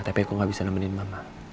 tapi aku gak bisa nemenin mama